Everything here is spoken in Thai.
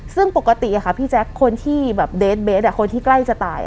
ซึ่งปกติค่ะพี่แจ๊คคนที่แบบเดสเบสคนที่ใกล้จะตาย